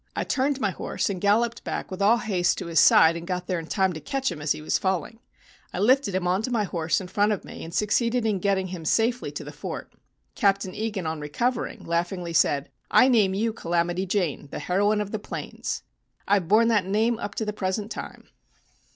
I turned my horse and galloped back with all haste to his side and got there in time to catch him as he was falling. I lifted him onto my horse in front of me and succeeded in getting him safely to the fort. Captain Egan on recovering laughingly said: 'I name you "Calamity Jane," the Heroine of the Plains.' I have borne that name up to the present time."